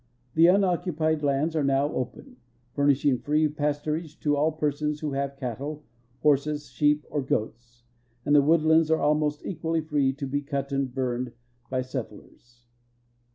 The unoccupied lands are now open, furnishing free pasturage to all persons who have cattle, horses, sheep, or goats, and the woodlands are almost equally free to be cut and burned by set tlers.